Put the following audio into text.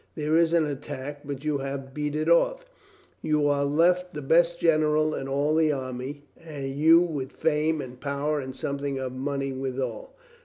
There is an attack, but you have beat it off. You are left the best general in all the army, you with fame and power and something of money withal.